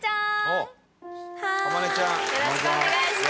よろしくお願いします。